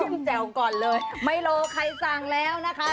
แจ่วก่อนเลยไม่โลใครสั่งแล้วนะคะ